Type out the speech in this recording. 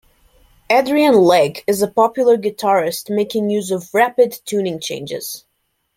Adrian Legg is a popular guitarist making use of rapid tuning changes.